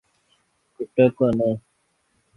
katakana